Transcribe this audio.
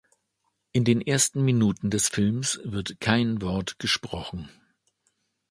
In den ersten Minuten des Films wird kein Wort gesprochen.